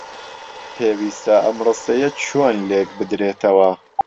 پێویستە ئەم ڕستەیە چۆن لێک بدرێتەوە؟